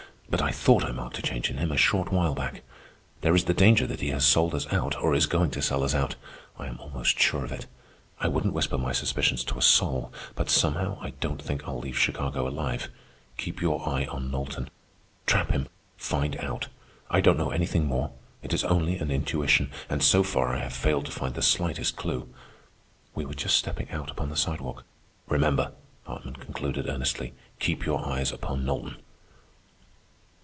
But I thought I marked a change in him a short while back. There is the danger that he has sold us out, or is going to sell us out. I am almost sure of it. I wouldn't whisper my suspicions to a soul, but, somehow, I don't think I'll leave Chicago alive. Keep your eye on Knowlton. Trap him. Find out. I don't know anything more. It is only an intuition, and so far I have failed to find the slightest clew." We were just stepping out upon the sidewalk. "Remember," Hartman concluded earnestly. "Keep your eyes upon Knowlton."